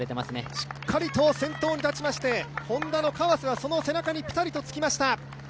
しっかりと先頭に立ちまして、Ｈｏｎｄａの川瀬はその背中にぴったりとつけました。